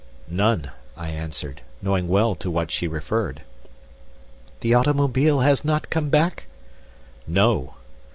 "None," I answered, knowing well to what she referred. "The automobile has not come back?" "No."